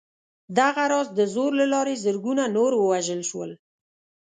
دغه راز د زور له لارې زرګونه نور ووژل شول